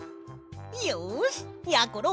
よしやころ